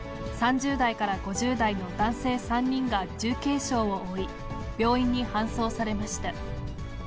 ３０代から５０代の男性３人が重軽傷を負い、病院に搬送されました。